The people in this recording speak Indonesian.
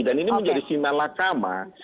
dan ini menjadi sinar lakama